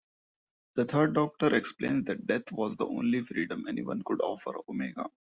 The Third Doctor explains that death was the only freedom anyone could offer Omega.